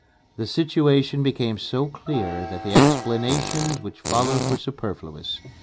The situation became so clear that the explanations which followed were superfluous.